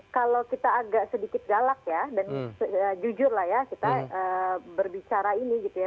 kalau kita agak sedikit galak ya dan jujur lah ya kita berbicara ini gitu ya